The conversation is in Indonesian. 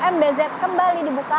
mbz kembali dibuka